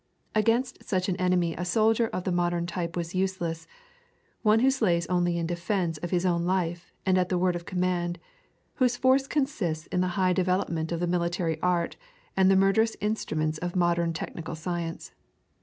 Against such an enemy a soldier of the modern type was useless, one who slays only in defence of his own life and at the word of command, whose force consists in the high development of the military art and the murderous instruments of modern technical science.